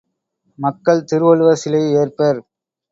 மக்கள் திருவள்ளுவர் சிலையை ஏற்பர்!